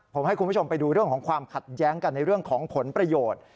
ผมให้คุณผู้ชมไปดูเรื่องของความขัดแย้งกันในเรื่องของผลประโยชน์